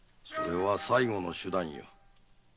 それは最後の手段よ。